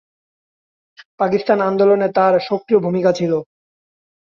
পাকিস্তান আন্দোলনে তাঁর সক্রিয় ভূমিকা ছিল।